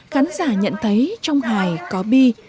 khán giả nhận thấy trong hài có bi